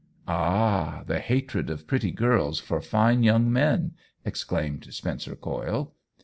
" Ah, the hatred of pretty girls for fine young men !" exclaimed Spencer Coyle.